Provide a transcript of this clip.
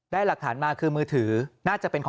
นี่โตมาแล้วมาโดนแบบนี้